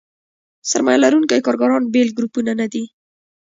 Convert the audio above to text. سرمایه لرونکي کارګران بېل ګروپونه نه دي.